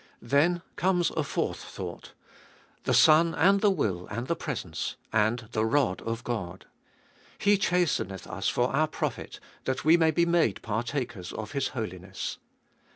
Then comes a fourth thought : the Son, and the will, and the presence ; and— the rod of God. He chasteneth us for our profit, that we may be made partakers of His holiness.